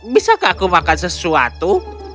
bisa aku makan sesuatu